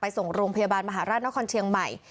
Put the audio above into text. ส่งโรงพยาบาลมหาราชนครเชียงใหม่